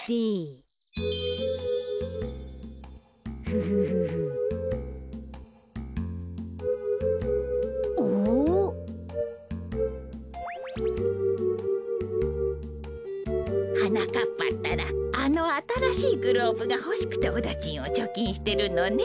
こころのこえはなかっぱったらあのあたらしいグローブがほしくておだちんをちょきんしてるのね。